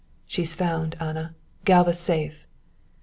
"She's found, Anna. Galva's safe."